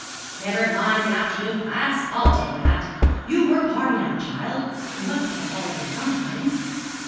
'Never mind the afternoon class I'll take that. You work hard enough, child; you must have a holiday sometimes.'